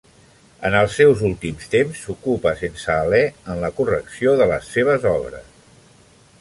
En els seus últims temps s'ocupa sense alè en la correcció de les seves obres.